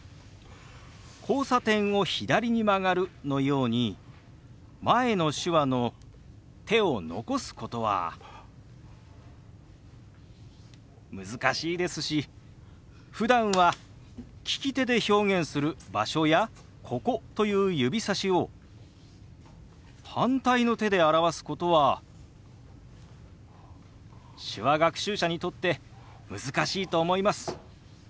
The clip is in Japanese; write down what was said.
「交差点を左に曲がる」のように前の手話の手を残すことは難しいですしふだんは利き手で表現する「場所」や「ここ」という指さしを反対の手で表すことは手話学習者にとって難しいと思います。